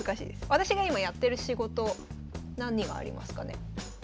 私が今やってる仕事何がありますかね。